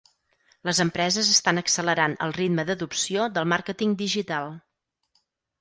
Les empreses estan accelerant el ritme d'adopció del màrqueting digital.